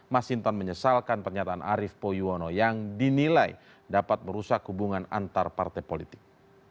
mas hinton menyesalkan pernyataan arief puyoono yang dinilai dapat merusak hubungan antar partai politik